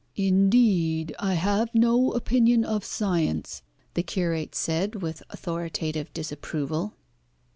"Indeed I have no opinion of science," the curate said with authoritative disapproval.